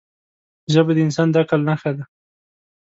ژبه د انسان د عقل نښه ده